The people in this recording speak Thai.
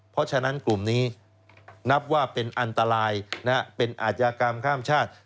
เพราะฉะนั้นกลุ่มนี้นับว่าเป็นอันตรายเป็นอาชญากรรมข้ามชาติ